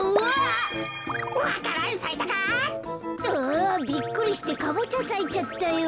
あびっくりしてカボチャさいちゃったよ。